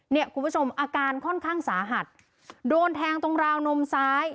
เนี่ยคุณผู้ชมอาการค่อนข้างสาหัสโดนแทงตรงราวนมซ้าย